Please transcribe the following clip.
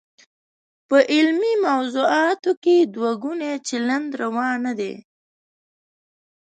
په علمي موضوعاتو کې دوه ګونی چلند روا نه دی.